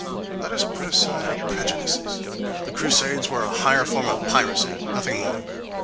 Let us put aside our prejudices! The crusades were a higher form of piracy, nothing more!